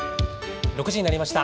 ６時になりました。